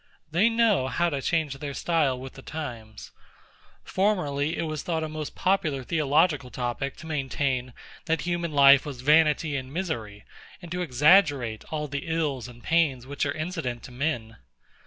They know how to change their style with the times. Formerly it was a most popular theological topic to maintain, that human life was vanity and misery, and to exaggerate all the ills and pains which are incident to men.